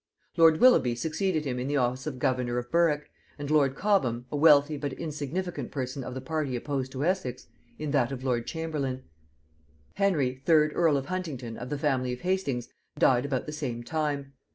Lord Willoughby succeeded him in the office of governor of Berwick, and lord Cobham, a wealthy but insignificant person of the party opposed to Essex, in that of lord chamberlain. Henry third earl of Huntingdon of the family of Hastings died about the same time.